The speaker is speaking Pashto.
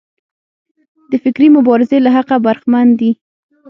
د فکري مبارزې له حقه برخمن دي.